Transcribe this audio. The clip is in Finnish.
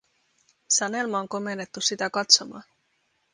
Sanelma on komennettu sitä katsomaan.